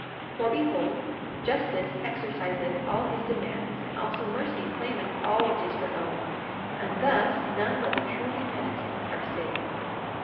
42:24 For behold, justice exerciseth all his demands, and also mercy claimeth all which is her own; and thus, none but the truly penitent are saved.